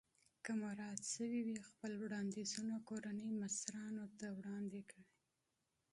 که مراعات شوي وي خپل وړاندیزونه کورنۍ مشرانو ته وړاندې کړئ.